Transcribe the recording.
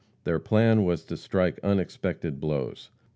Their plan was to strike unexpected blows.